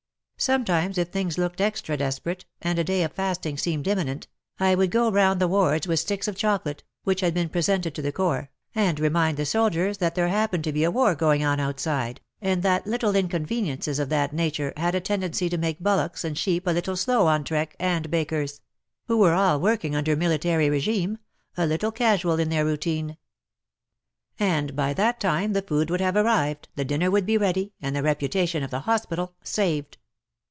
WAR AND WOMEN 131 Sometimes, if things looked extra desperate, and a day of fasting seemed imminent, I would go round the wards with sticks of chocolate (which had been presented to the Corps), and remind the soldiers that there happened to be a war going on outside, and that little inconveniences of that nature had a tendency to make bullocks and sheep a little slow on trek, and bakers — who were all working under military regime — a little casual in their routine. And by that time the food would have arrived, the dinner would be ready and the reputation of the hospital saved.